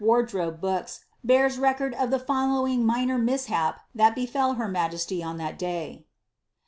wardrobe books bears record of the following minor mishap that befel her majesty on thai day.